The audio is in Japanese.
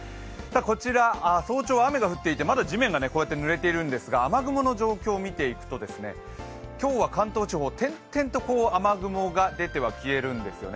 こちら、早朝雨が降っていて、まだ地面がぬれているんですが、雨雲の状況を見ていくと、今日は関東地方、点々と雨雲が出ては消えるんですよね。